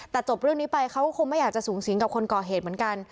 แต่จบเรื่องนี้ไปเขาก็คงไม่อยากจะสูงสิงกับคนก่อเหตุเหมือนกัน